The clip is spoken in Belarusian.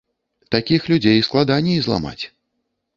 Такіх людзей складаней зламаць.